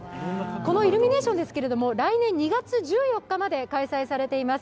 このイルミネーション、来年２月１４日まで開催されています。